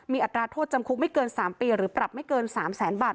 มีอัตราโทษจำคุกไม่เกิน๓ปีหรือปรับไม่เกิน๓แสนบาท